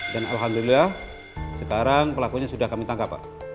dan alhamdulillah sekarang pelakunya sudah kami tangkap pak